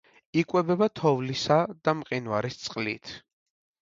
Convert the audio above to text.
იკვებება თოვლისა და მყინვარის წყლით.